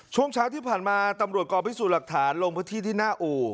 ช่วงเช้าที่ผ่านมาตำรวจกองพิสูจน์หลักฐานลงพื้นที่ที่หน้าอู่